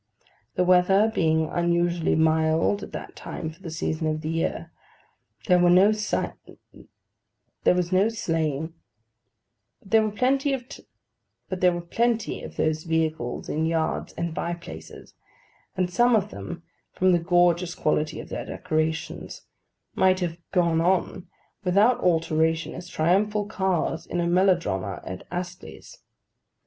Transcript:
The weather being unusually mild at that time for the season of the year, there was no sleighing: but there were plenty of those vehicles in yards and by places, and some of them, from the gorgeous quality of their decorations, might have 'gone on' without alteration as triumphal cars in a melodrama at Astley's.